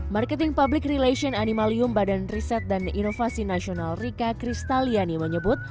marketing public relation animalium badan riset dan inovasi nasional rika kristaliani menyebut